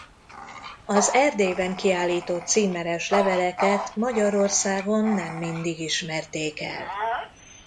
Az Erdélyben kiállított címeres leveleket Magyarországon nem mindig ismerték el.